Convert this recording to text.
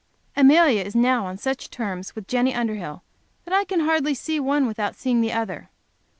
Amelia is now on such terms with Jenny Underhill that I can hardly see one without seeing the other.